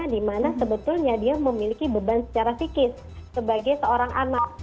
dimana sebetulnya dia memiliki beban secara psikis sebagai seorang anak